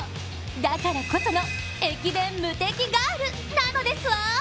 だからこその駅伝無敵ガールなのですわ！